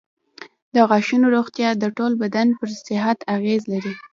د غاښونو روغتیا د ټول بدن پر صحت اغېز لري.